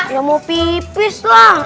ya mau pipis lah